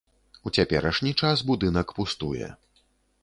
У цяперашні час будынак пустуе.